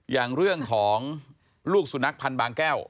อย่างเรื่องของลูกสุนัขพันธ์บางแก้ว